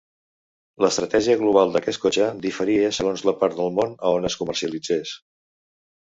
L'estratègia global d'aquest cotxe diferia segons la part del món on es comercialitzés.